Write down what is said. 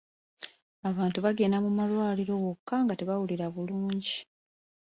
Abantu bagenda mu malwaliro wokka nga tebeewulira bulungi.